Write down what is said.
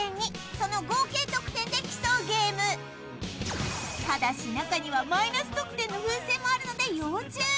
その合計得点で競うゲームただし中にはマイナス得点の風船もあるので要注意！